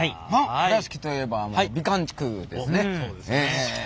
倉敷といえば美観地区ですね。